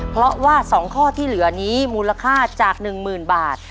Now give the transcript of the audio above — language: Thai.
เพราะว่า๒ข้อที่เหลือนี้มูลค่าจาก๑๐๐๐บาท